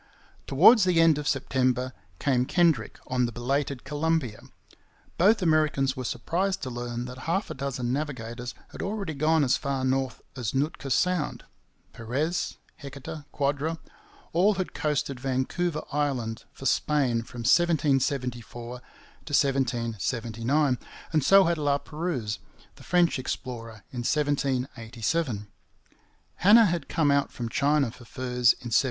Towards the end of September came Kendrick on the belated Columbia. Both Americans were surprised to learn that half a dozen navigators had already gone as far north as Nootka Sound. Perez, Heceta, Quadra all had coasted Vancouver Island for Spain from 1774 to 1779, and so had La Pérouse, the French explorer, in 1787. Hanna had come out from China for furs in 1785.